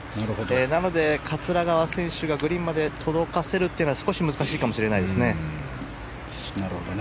なので桂川選手がグリーンまで届かせるというのは少し難しいかもしれないですね。